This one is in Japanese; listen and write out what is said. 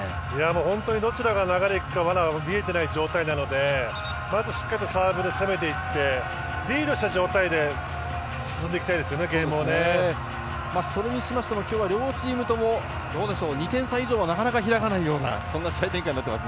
本当にどちらが流れにいくか見えていない状態なのでまずしっかりとサーブで攻めていってリードした状態でそれにしましても今日は両チームとも２点差以上はなかなか開かないようなそんな試合展開になっています。